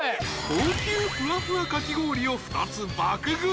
［高級ふわふわかき氷を２つ爆食い。